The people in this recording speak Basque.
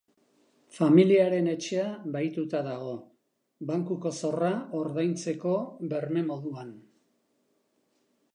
Familiaren etxea bahituta dago, bankuko zorra ordaintzeko berme moduan.